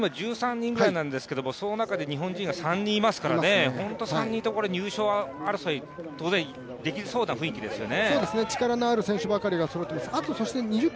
集団今１３人ぐらいなんですけど、その中でも日本人は３人いますから、そんな中でも入賞争いは、当然出来そうな雰囲気ですよね。